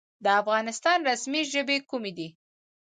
د افغانستان رسمي ژبې کومې دي؟